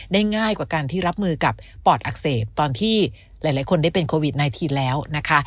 ง่ายกว่าการที่รับมือกับปอดอักเสบตอนที่หลายคนได้เป็นโควิด๑๙แล้วนะคะ